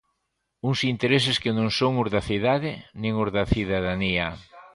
Uns intereses que non son os da cidade nin os da cidadanía.